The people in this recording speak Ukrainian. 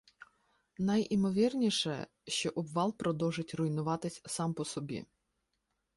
Найімовірніше, що обвал продовжить руйнуватись сам по собі.